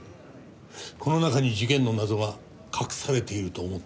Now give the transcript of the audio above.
この中に事件の謎が隠されていると思っていいだろう。